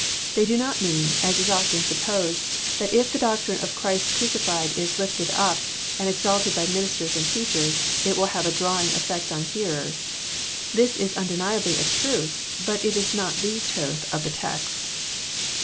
They do not mean, as is often supposed, that if the doctrine of Christ crucified is lifted up and exalted by ministers and teachers, it will have a drawing effect on hearers. This is un deniably a truth, but it is not the truth of the text.